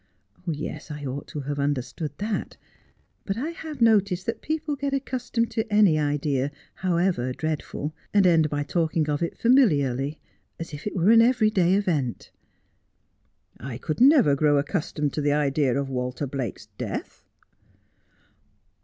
' Yes, I ought to have understood that. But I have noticed that people get accustomed to any idea, however dreadful, and end by talking of it familiarly, as if it were an everyday event.' 32 Just as I Am. 'I could never grow accustomed to the idea of Walter BUkeS death.'